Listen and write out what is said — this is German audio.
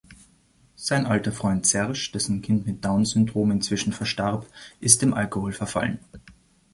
Sein alter Freund Serge, dessen Kind mit Down-Syndrom inzwischen verstarb, ist dem Alkohol verfallen.